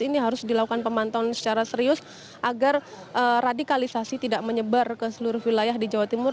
ini harus dilakukan pemantauan secara serius agar radikalisasi tidak menyebar ke seluruh wilayah di jawa timur